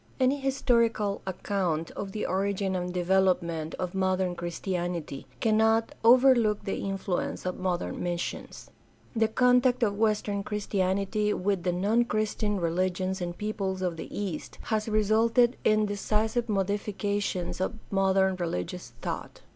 — ^Any historical account of the origin and development of modern Christianity cannot overlook the influence of modem missions. The contact of Western Christianity with the non Christian religions and peoples of the East has resulted in decisive modifications of modern religious thought.